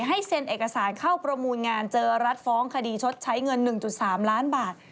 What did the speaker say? ให้เซ็นเอกสารเข้าประมูลงานเจอรัฐฟ้องคดีชดใช้เงิน๑๓ล้านบาท